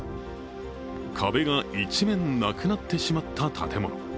壁が一面なくなってしまった建物。